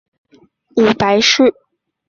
母白氏。